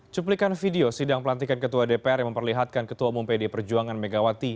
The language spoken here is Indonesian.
cuplikan video sidang pelantikan ketua dpr yang memperlihatkan ketua umum pd perjuangan megawati